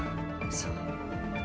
そう。